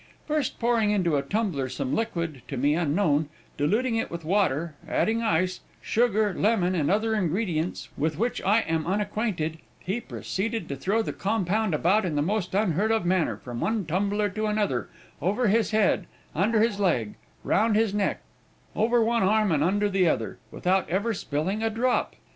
First pouring into a tumbler some liquid, to me unknown, diluting it with water, adding ice, sugar, lemon, and other ingredients with which I am unacquainted, he proceeded to throw the compound about in the most unheard of manner, from one tumbler to another, over his head, under his leg, round his neck, over one arm and under the other, without ever spilling a drop.